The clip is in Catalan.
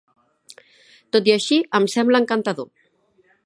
Tot i així em sembla encantador.